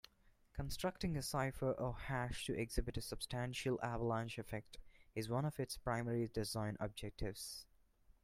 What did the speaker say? Constructing a cipher or hash to exhibit a substantial avalanche effect is one of its primary design objectives.